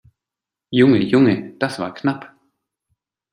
Junge, Junge, das war knapp!